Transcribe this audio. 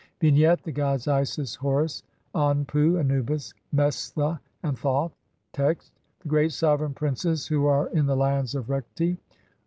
E. Vignette : The gods Isis, Horus, Anpu (Anubis), Mestha, and Thoth. Text : (1) The great sovereign princes who are in the lands of Rekhti